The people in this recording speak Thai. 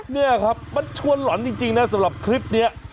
นี่ครับมันชวนหล่อนจริงนะสำหรับคลิปนี้